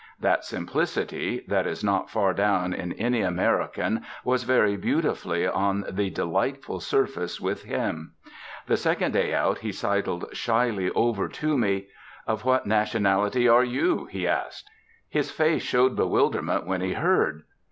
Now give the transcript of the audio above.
That simplicity that is not far down in any American was very beautifully on the delightful surface with him. The second day out he sidled shyly up to me. "Of what nationality are you?" he asked. His face showed bewilderment when he heard.